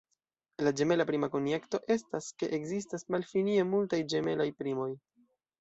La ĝemela prima konjekto estas, ke ekzistas malfinie multaj ĝemelaj primoj.